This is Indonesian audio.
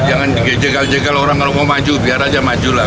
jangan jagal jagal orang kalau mau maju biar saja maju lah